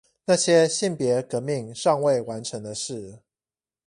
那些性別革命尚未完成的事